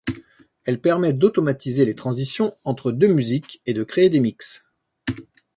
Elle permet d’automatiser les transitions entre deux musiques et de créer des mix.